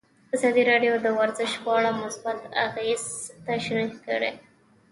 ازادي راډیو د ورزش په اړه مثبت اغېزې تشریح کړي.